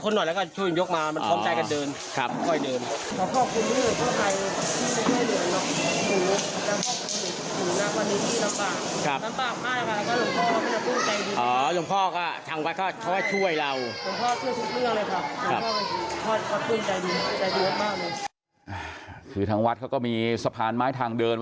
ก็เลยต้องใช้คนหลายคนหน่อยและช่วยยกมามันพร้อมใจกันเดิน